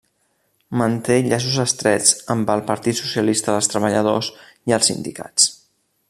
Manté llaços estrets amb el Partit Socialista dels Treballadors i els sindicats.